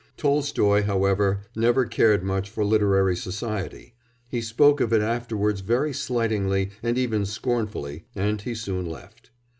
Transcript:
Tolstoy, however, never cared much for literary society; he spoke of it afterwards very slightingly and even scornfully, and he soon left.